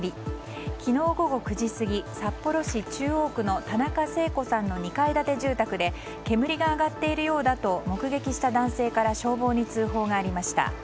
昨日午後９時過ぎ札幌市中央区の田中征子さんの２階建て住宅で煙が上がっているようだと目撃した男性から消防に通報がありました。